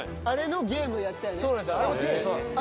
あれのゲームやったよね？